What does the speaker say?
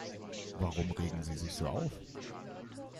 Warum regen Sie sich so auf?